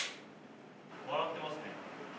笑ってますね。